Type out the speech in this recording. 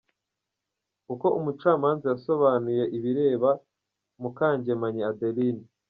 Uko umucamanza yasobanuye ibireba Mukangemanyi Adeline….